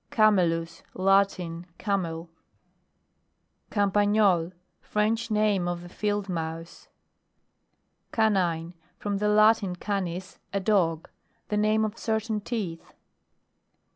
CAMELUS. Latin. Camel. 140 MAMMALOGY: GLOSSARY. CAMPAGNOL. French name of the Fieldmouse. CANINE. From the Latin, canis, a dog. The name of certain teeth.